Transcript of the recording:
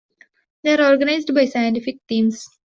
They are organised by scientific themes.